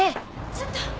ちょっと。